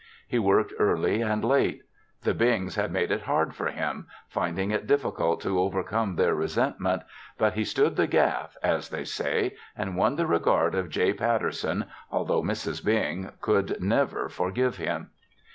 He worked early and late. The Bings had made it hard for him, finding it difficult to overcome their resentment, but he stood the gaff, as they say, and won the regard of J. Patterson although Mrs. Bing could never forgive him.